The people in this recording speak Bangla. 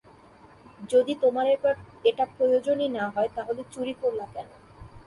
যদি তোমার এটা প্রয়োজনই না হয়, তাহলে চুরি করলা কেন?